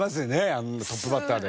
あんなトップバッターで。